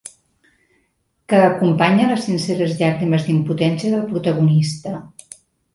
Que acompanya les sinceres llàgrimes d'impotència del protagonista.